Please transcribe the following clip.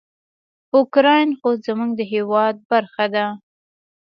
اوکراین خو زموږ د هیواد برخه ده.